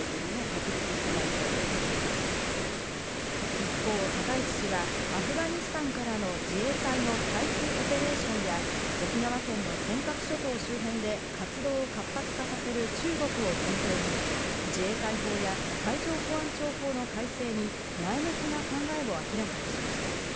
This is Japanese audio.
一方、高市氏はアフガニスタンからの自衛隊の退避オペレーションや、沖縄県の尖閣諸島周辺で活動を活発化させる中国を念頭に自衛隊法や海上保安庁法の改正に前向きな考えを明らかにしました。